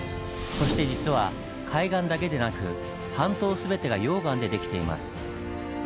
そして実は海岸だけでなく半島全てが溶岩で出来ています。